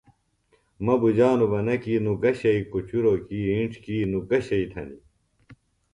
مہ بُجانوۡ بہ نہ کیۡ نوۡ گہ شئیۡ، کُچُروۡ کیۡ، اِنڇ کیۡ، نوۡ گہ شئیۡ تھنیۡ